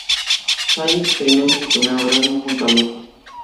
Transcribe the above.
Sally experimenta su primer orgasmo junto a Luke.